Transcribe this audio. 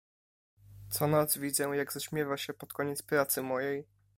"Co noc widzę, jak zaśmiewa się pod koniec pracy mojej."